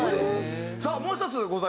さあもう１つございます。